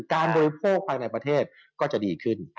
บริโภคภายในประเทศก็จะดีขึ้น